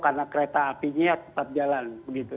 karena kereta apinya tetap jalan